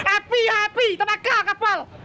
api api tenaga kapal